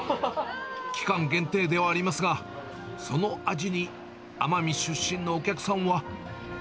期間限定ではありますが、その味に、奄美出身のお客さんは。